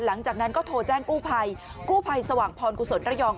หลังจากนั้นก็โทรแจ้งกู้ภัยกู้ภัยสว่างพรกุศลระยอง